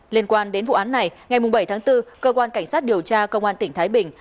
liên quan đến vụ án này ngày bảy tháng bốn cơ quan cảnh sát điều tra công an tỉnh thái bình